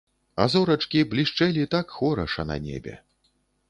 А зорачкі блішчэлі так хораша на небе.